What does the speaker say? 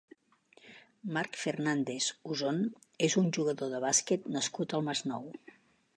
Marc Fernández Usón és un jugador de bàsquet nascut al Masnou.